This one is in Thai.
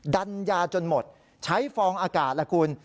ดันยาจนหมดใช้ฟองอากาศล่ะคุณ